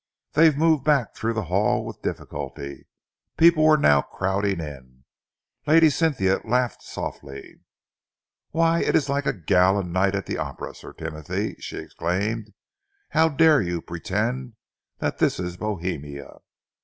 They moved back through the hall with difficulty. People were now crowding in. Lady Cynthia laughed softly. "Why, it is like a gala night at the Opera, Sir Timothy!" she exclaimed. "How dare you pretend that this is Bohemia!"